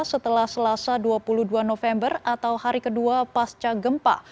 setelah selasa dua puluh dua november atau hari kedua pasca gempa